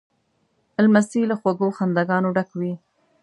لمسی له خوږو خنداګانو ډک وي.